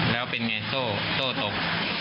แล้วเป็นไงโซ่ตก